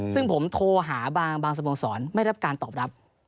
ซึ่งผมโทรหาบางสโมสรไม่รับการตอบรับ